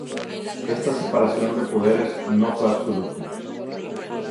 Esta separación de poderes no fue absoluta.